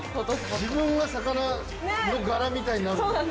自分が魚の柄みたいになる。